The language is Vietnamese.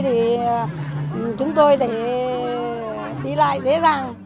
để chúng tôi đi lại dễ dàng